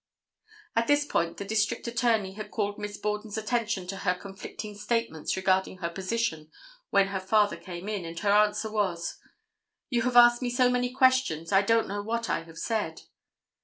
At this point the District Attorney had called Miss Borden's attention to her conflicting statements regarding her position when her father came in, and her answer was: "You have asked me so many questions, I don't know what I have said."